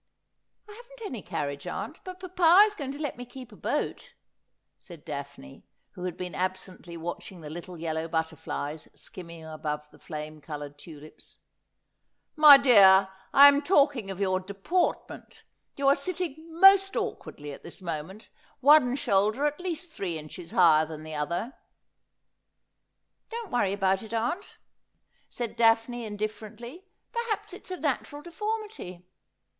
' I haven't any carriage, aunt, but papa is going to let me keep a boat,' said Daphne, who had been absently watching the little yellow butterflies skimming above the flame coloured tulips. 'My dear, I am talking of your deportment. You are sit ting most awkwardly at this moment, one shoulder at least three inches higher than the other.' ' Don't worry about it, aunt,' said Daphne indifferently ;' perhaps its a natural deformity.'